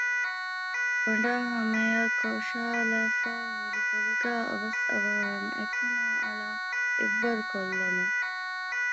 ކޮނޑާ ހަމަޔަށް ކޮށާލައިފައި ހުރި ބޮލުގައި އަވަސް އަވަހަށް އަތްފުނާއަޅާ އެއްވަރު ކޮށްލަމުން